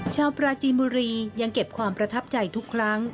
ชาวปราจีนบุรียังเก็บความประทับใจทุกครั้ง